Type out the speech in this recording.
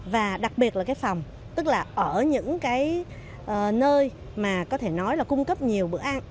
và đặc biệt là cái phòng tức là ở những cái nơi mà có thể nói là cung cấp nhiều bữa ăn